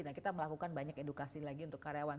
nah kita melakukan banyak edukasi lagi untuk karyawan